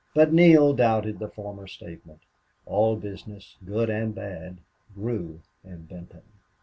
But Neale doubted the former statement. All business, good and bad, grew in Benton.